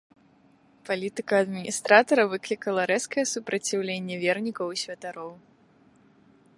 Палітыка адміністратара выклікала рэзкі супраціўленне вернікаў і святароў.